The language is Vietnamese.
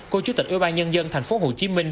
cô chủ tịch ủy ban nhân dân thành phố hồ chí minh